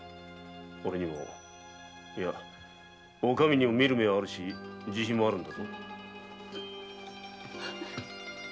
おれにもいやお上にも見る目もあれば慈悲もあるのだ。